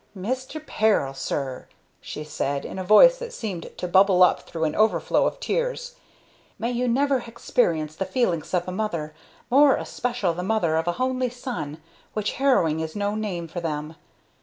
"Mister Peril, sir," she said, in a voice that seemed to bubble up through an overflow of tears, "may you never hexperience the feelinks of a mother, more especial the mother of a honly son, which 'arrowing is no name for them.